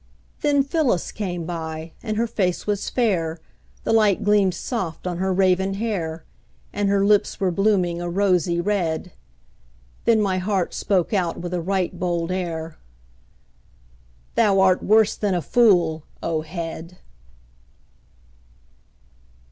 Then Phyllis came by, and her face was fair, The light gleamed soft on her raven hair; And her lips were blooming a rosy red. Then my heart spoke out with a right bold air: "Thou art worse than a fool, O head!"